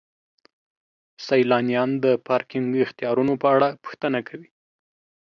سیلانیان د پارکینګ اختیارونو په اړه پوښتنه کوي.